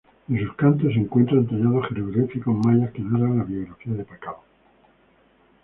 En sus cantos se encuentran tallados jeroglíficos mayas que narran la biografía de Pakal.